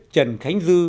trần khánh dư